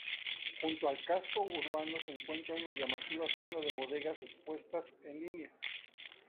Junto al casco urbano se encuentra una llamativa zona de bodegas, dispuestas en línea.